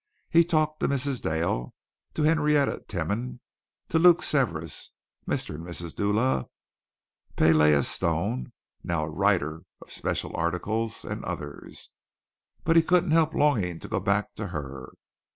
He talked to Mrs. Dale, to Henrietta Tenmon, to Luke Severas, Mr. and Mrs. Dula, Payalei Stone, now a writer of special articles, and others, but he couldn't help longing to go back to her.